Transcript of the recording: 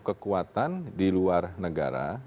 kekuatan di luar negara